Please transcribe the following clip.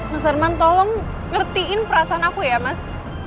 mas herman tolong ngertiin perasaan aku ya mas